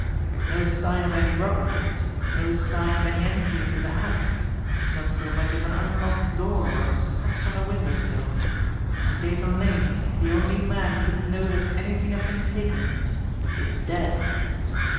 There's no sign of any rob bery ; no sign of any entry into the house, not so much as an unlocked door or a scratch on a window sill ; and Jathan Lane, the only man who could know that anything had been taken is dead.